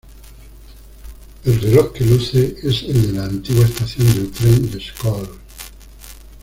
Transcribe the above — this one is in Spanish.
El reloj que luce es el de la antigua estación del tren des Coll.